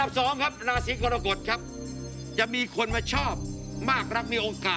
มังคุณหัวเชียวว่าชักเนี่ยอยากชอบรักจะมีคน